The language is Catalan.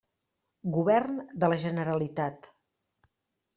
Govern de la Generalitat.